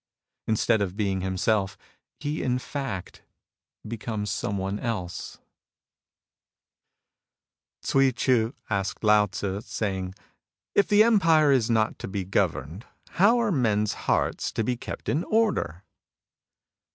Instead of being himself, he in fact becomes some one Ts'ui Chii asked Lao Tzu, saying :" If the empire is not to be governed, how are men's hearts to be kept in order